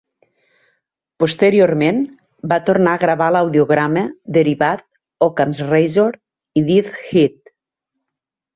Posteriorment, va tornar a gravar l'audiodrama derivat Occam's Razor i Death's Head.